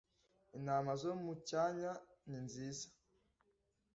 intama zo mu cyanya ninziza